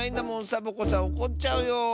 サボ子さんおこっちゃうよ。